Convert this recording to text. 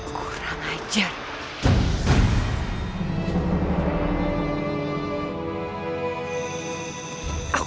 untuk kurang ajarmu